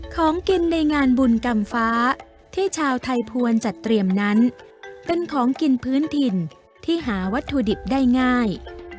ของกินในงานบุญกรรมฟ้าที่ชาวไทยควรจัดเตรียมนั้นเป็นของกินพื้นถิ่นที่หาวัตถุดิบได้ง่าย